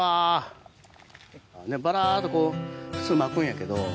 ばらっとこう普通まくんやけど。